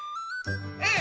うん。